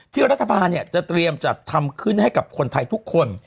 รัฐบาลจะเตรียมจัดทำขึ้นให้กับคนไทยทุกคน